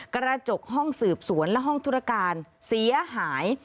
กระจกห้องสืบสวนและห้องธุรการเสียหาย